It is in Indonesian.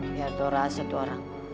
biar tuh rasa tuh orang